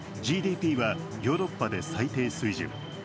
ＧＤＰはヨーロッパで最低水準。